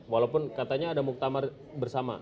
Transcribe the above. walaupun katanya ada muktamar bersama